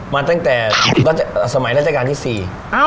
มาตั้งแต่สมัยราชการที่สี่